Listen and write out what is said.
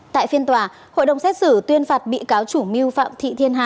tại phiên tòa hội đồng xét xử tuyên phạt bị cáo chủ mưu phạm thị thiên hà